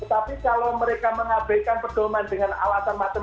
tetapi kalau mereka mengabaikan pedoman dengan alat termasuk